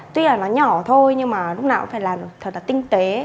tuy là nó nhỏ thôi nhưng mà lúc nào cũng phải làm thật là tinh tế